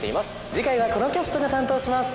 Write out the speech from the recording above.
次回はこのキャストが担当します。